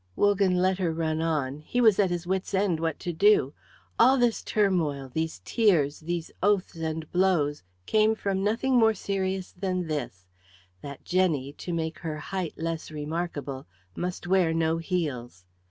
Wogan let her run on; he was at his wits' end what to do. All this turmoil, these tears, these oaths and blows, came from nothing more serious than this, that Jenny, to make her height less remarkable, must wear no heels.